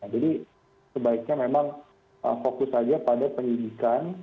jadi sebaiknya memang fokus saja pada penyelidikan